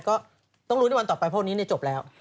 ก็ต้องรู้ในวันต่อไปเพราะวันนี้จบแล้ว